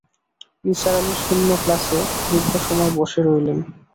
নিসার আলি শূন্য ক্লাসে দীর্ঘ সময় বসে রইলেন।